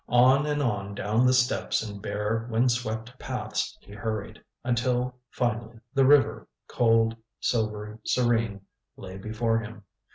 On and on down the steps and bare wind swept paths he hurried, until finally the river, cold, silvery, serene, lay before him.